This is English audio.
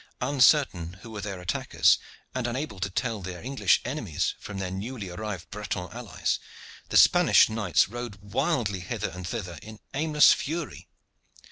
Uncertain who were their attackers, and unable to tell their English enemies from their newly arrived Breton allies, the Spanish knights rode wildly hither and thither in aimless fury.